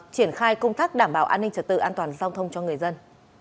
triển khai công tác đảm bảo an ninh trật tự an toàn giao thông cho người dân